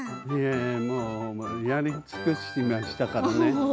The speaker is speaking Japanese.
もうやり尽くしましたからね。